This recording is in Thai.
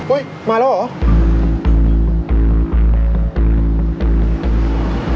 โอ๊ยมาแล้วเหรอ